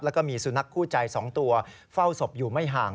แล้วก็มีสุนัขคู่ใจ๒ตัวเฝ้าศพอยู่ไม่ห่าง